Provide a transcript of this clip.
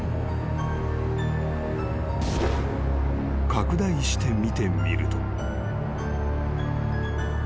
［拡大して見てみると］